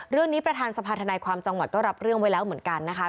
เรื่องนี้ประธานสภาธนาความจังหวัดก็รับเรื่องไว้แล้วเหมือนกันนะคะ